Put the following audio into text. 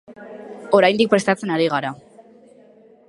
Oraindik prestatzen ari gara.